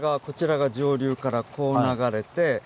こちらが上流からこう流れて